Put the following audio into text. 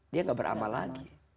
dia tidak beramal lagi